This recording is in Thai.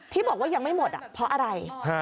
ที่บอกว่ายังไม่หมดเพราะอะไร